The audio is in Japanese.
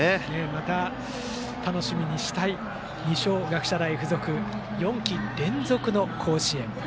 また楽しみにしたい二松学舎大付属４季連続の甲子園。